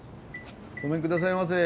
ごめん下さいませ。